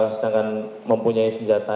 sedangkan mempunyai senjata